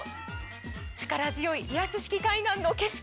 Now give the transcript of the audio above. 力強いリアス式海岸の景色